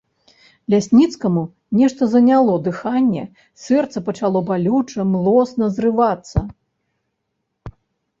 Лясніцкаму нешта заняло дыханне, сэрца пачало балюча млосна зрывацца.